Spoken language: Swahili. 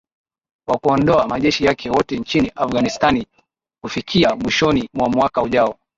wakuondoa majeshi yake wote nchini afghanistan kufikia mwishoni mwa mwaka ujao